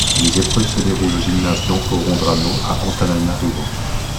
Les épreuves se déroulent au gymnase d'Ankorondrano, à Antananarivo.